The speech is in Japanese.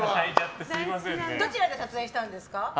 どちらで撮影したんですか？